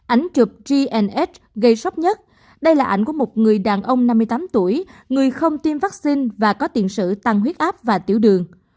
ánh chụp gns gây sốc nhất đây là ảnh của một người đàn ông năm mươi tám tuổi người không tiêm vaccine và có tiền sử tăng huyết áp và tiểu đường